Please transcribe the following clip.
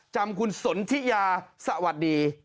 จำคุณสนทิยาสวัสดี